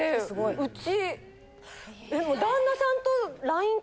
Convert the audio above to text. うち。